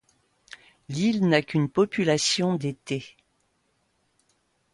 L'île n'a qu'une population d'été.